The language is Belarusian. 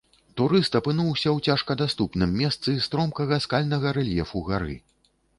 Турыст апынуўся ў цяжкадаступным месцы стромкага скальнага рэльефу гары.